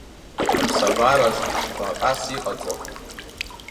Аԥсабараз баҟас иҟаҵо.